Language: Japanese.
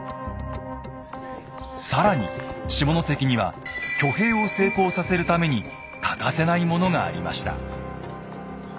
更に下関には挙兵を成功させるために欠かせないものがありました。